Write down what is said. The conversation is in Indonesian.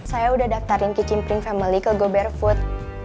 saya udah daftarin ke cimpring family ke go barefoot